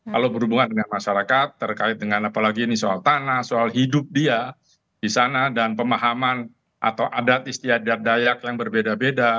kalau berhubungan dengan masyarakat terkait dengan apalagi ini soal tanah soal hidup dia di sana dan pemahaman atau adat istiadat dayak yang berbeda beda